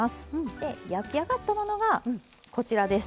で焼き上がったものがこちらです。